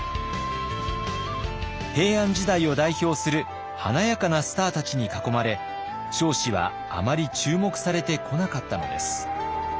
平安時代を代表する華やかなスターたちに囲まれ彰子はあまり注目されてこなかったのです。